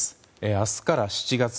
明日から７月。